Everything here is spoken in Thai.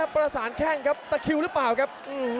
ประสานแข้งครับตะคิวหรือเปล่าครับ